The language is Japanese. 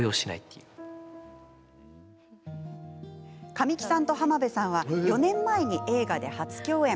神木さんと浜辺さんは４年前に映画で初共演。